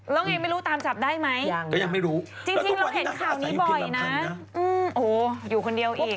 แล้วไงไม่รู้ตามจับได้ไหมยังก็ยังไม่รู้จริงเราเห็นข่าวนี้บ่อยนะโอ้โหอยู่คนเดียวอีก